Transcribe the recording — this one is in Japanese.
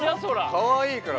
かわいいから。